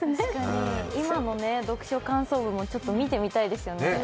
今の読書感想文も見てみたいですよね。